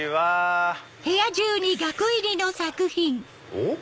おっ！